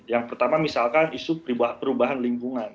yang pertama misalkan isu perubahan lingkungan